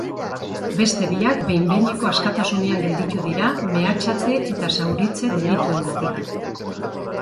Beste biak behin-behineko askatasunean gelditu dira, mehatxatze eta zauritze delituengatik.